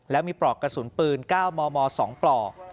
แล้วมีปลอกกระสุนปืนก้าวมอมอสองปลอก